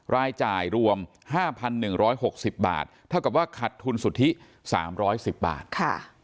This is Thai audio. รายจ่ายรวม๕๑๖๐บาทเท่ากับว่าขัดทุนสุทธิ๓๑๐บาท